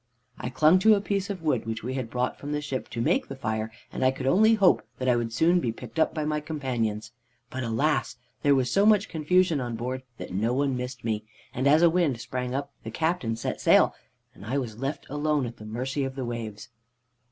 "I clung to a piece of wood which we had brought from the ship to make the fire, and I could only hope that I would soon be picked up by my companions. But alas! there was so much confusion on board that no one missed me, and as a wind sprang up the captain set sail, and I was left alone at the mercy of the waves.